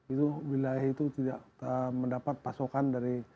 itu wilayah itu tidak mendapat pasokan dari